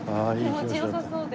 気持ち良さそうで。